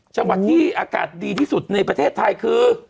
จังหวัดที่อากาศดีที่สุดในประเทศไทยคือ